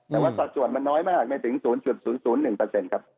แต่ว่าสัดส่วนมันน้อยมากไม่ถึง๐๐๑ครับ